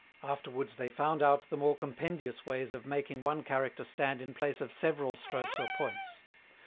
Afterwards they found out the more compendious ways of making one character stand in place of several strokes or points.